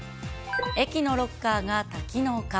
駅のロッカーが多機能化。